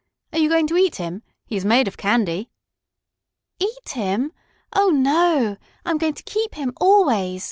Are you going to eat him? He is made of candy." "Eat him! Oh, no! I am going to keep him, always!"